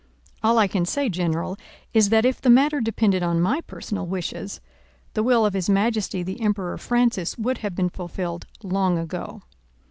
"All I can say, General, is that if the matter depended on my personal wishes, the will of His Majesty the Emperor Francis would have been fulfilled long ago.